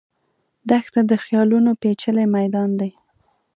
دښته د خیالونو پېچلی میدان دی.